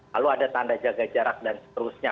lalu ada tanda jaga jarak dan seterusnya